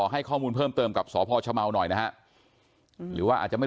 ให้ข้อมูลเพิ่มเติมกับสพชเมาหน่อยนะฮะหรือว่าอาจจะไม่